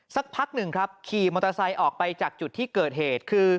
สักพักหนึ่งครับขี่มอเตอร์ไซค์ออกไปจากจุดที่เกิดเหตุคือ